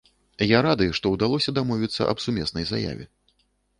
Я рады, што ўдалося дамовіцца аб сумеснай заяве.